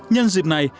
nhân dịp này